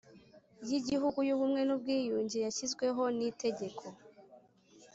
y Igihugu y Ubumwe n Ubwiyunge yashyizweho n Itegeko